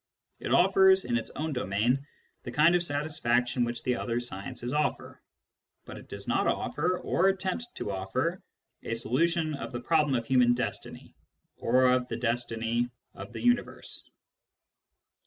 It offers, in its own domain, the kind of satisfaction which the other sciences offer. But it does not offer, or attempt to offer, a solution of the problem of human destiny, or of the destiny of the universe.